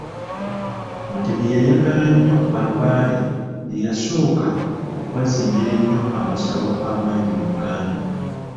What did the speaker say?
Mutebi yayagala nnyo balubaale, ye yasooka okubazimbira ennyo amasabo amangi mu Buganda.